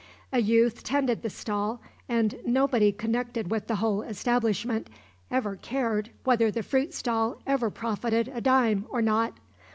A youth tended the stall and nobody connected with the whole establishment ever cared whether the fruit stall ever profited a dime or not.